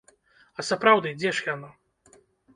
А сапраўды, дзе ж яно?